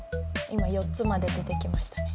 今４つまで出てきましたね。